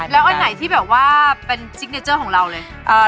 แล้วอันไหนที่แบบว่าเป็นซิกเนเจอร์ของเราเลย